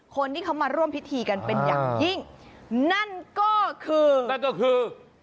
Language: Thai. คนที่เขามาร่วมพิธีกันเป็นอย่างยิ่งนั่นก็คือนั่นก็คือ